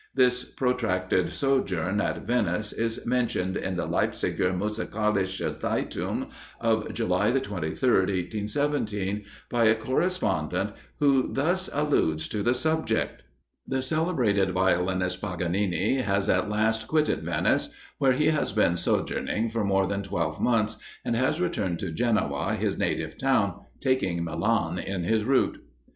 This protracted sojourn at Venice is mentioned in the "Leipziger Musikalische Zeitung," of July the 23rd, 1817, by a correspondent, who thus alludes to the subject: "The celebrated violinist, Paganini, has at last quitted Venice, where he has been sojourning for more than twelve months, and has returned to Genoa, his native town, taking Milan in his route."